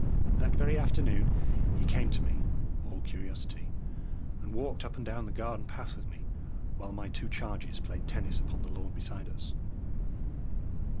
That very afternoon he came to me, all curiosity, and walked up and down the garden path with me, while my two charges played tennis upon the lawn beside us.